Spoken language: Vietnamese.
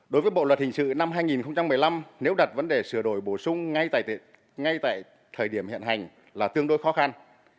đối với bộ luật hình sự năm hai nghìn một mươi năm nếu đặt vấn đề sửa đổi bổ sung ngay tại thời điểm hiện hành là tương đối khó khăn